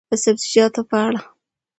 د سبزیجاتو په اړه: